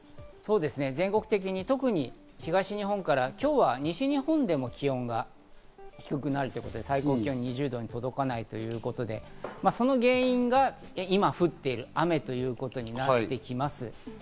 全国的に特に東日本から今日は西日本でも気温が低くなる、最高気温が２０度に届かないということで、その原因が今降っている雨ということになってきます。